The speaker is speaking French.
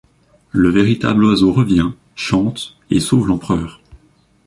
Le véritable oiseau revient, chante et sauve l'empereur.